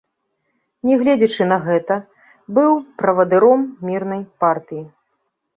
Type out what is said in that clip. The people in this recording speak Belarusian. Нягледзячы на гэта, быў правадыром мірнай партыі.